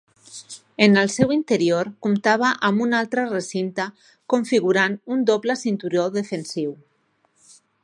En el seu interior comptava amb un altre recinte configurant un doble cinturó defensiu.